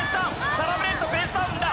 サラブレッドペースダウンだ。